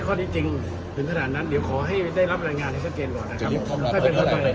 หมายถึงทราบเมื่อเช้านี้ตอนที่เข้ากันใช่ไหม